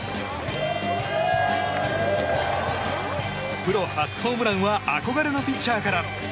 プロ初ホームランは憧れのピッチャーから。